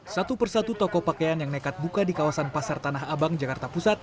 satu persatu toko pakaian yang nekat buka di kawasan pasar tanah abang jakarta pusat